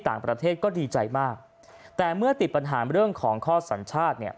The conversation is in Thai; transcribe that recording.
ต่างประเทศก็ดีใจมากแต่เมื่อติดปัญหาเรื่องของข้อสัญชาติเนี่ย